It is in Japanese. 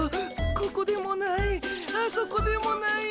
ここでもないあそこでもない。